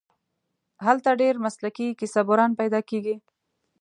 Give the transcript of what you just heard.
هلته ډېر مسلکي کیسه بُران پیدا کېږي.